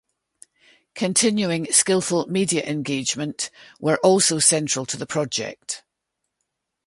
Continuing skilful media engagement were also central to the project.